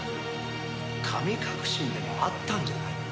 神隠しにでも遭ったんじゃないか？